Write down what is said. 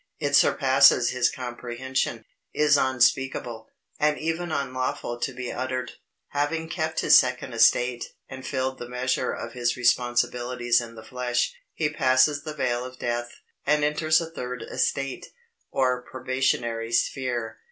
It surpasses his comprehension, is unspeakable, and even unlawful to be uttered. Having kept his second estate, and filled the measure of his responsibilities in the flesh, he passes the veil of death, and enters a third estate, or probationary sphere.